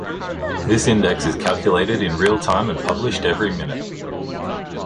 This Index is calculated in real-time and published every minute.